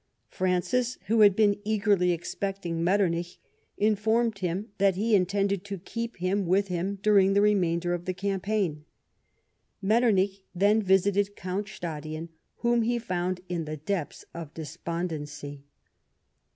Francis, who had been eagerly expecting Metternich, informed him that he intended to keep him with him during the remainder of the campaign. Metternich then visited Count Stadion, whom he found in the depths of despondency.